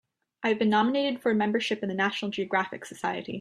I've been nominated for membership in the National Geographic Society.